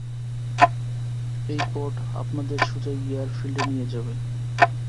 এই পড আপনাদের সোজা এয়ারফিল্ডে নিয়ে যাবে।